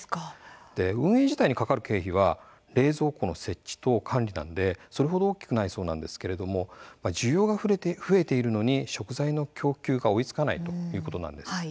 運営自体にかかる経費は冷蔵庫の設置と管理なのでそれほど大きくないそうなんですけれども需要が増えているのに食材の供給が追いつかないということなんです。